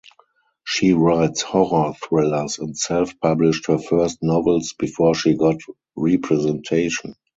She writes horror thrillers and self published her first novels before she got representation.